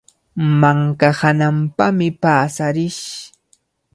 Manka hananpami paasarish.